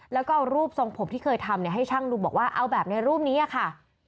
แล้วก็เอารูปทรงผมที่เคยทำให้ช่างดูบอกว่าเอาแบบในรูปนี้ค่ะ